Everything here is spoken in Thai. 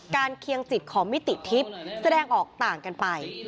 เคียงจิตของมิติทิพย์แสดงออกต่างกันไป